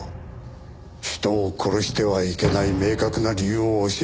人を殺してはいけない明確な理由を教えてくれると。